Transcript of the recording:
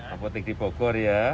apotek di bogor ya